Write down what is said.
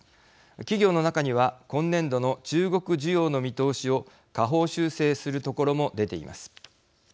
企業の中には今年度の中国需要の見通しを下方修正するところも出ています。